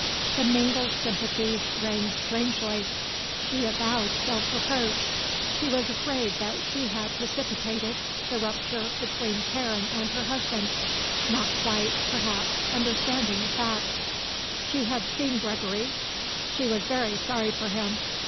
The mingled sympathies rang strangely. She avowed self reproach. She was afraid that she had precipitated the rupture between Karen and her husband, not quite, perhaps, understanding the facts. She had seen Gregory, she was very sorry for him.